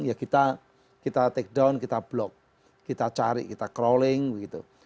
ya kita take down kita block kita cari kita crawling begitu